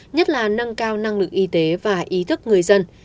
nhất là nâng cao năng lực y tế và ý thức người dân